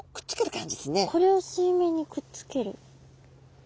これを水面にくっつける。